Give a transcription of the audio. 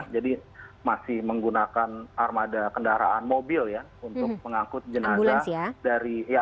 jadi masih menggunakan armada kendaraan mobil ya untuk mengangkut jenazah